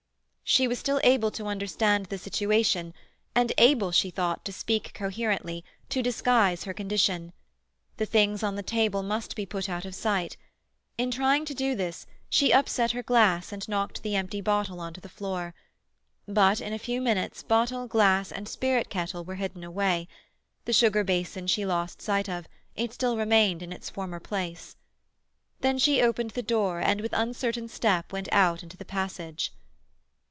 She was still able to understand the situation, and able, she thought, to speak coherently, to disguise her condition. The things on the table must be put out of sight. In trying to do this, she upset her glass and knocked the empty bottle on to the floor. But in a few minutes bottle, glass, and spirit kettle were hidden away. The sugar basin she lost sight of; it still remained in its former place. Then she opened the door, and with uncertain step went out into the passage.